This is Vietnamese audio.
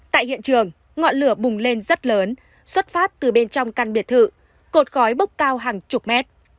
tại hiện trường ngọn lửa bùng lên rất lớn xuất phát từ bên trong căn biệt thự cột khói bốc cao hàng chục mét